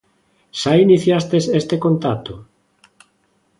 Xa iniciastes este contacto?